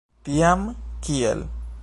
Tiam kiel?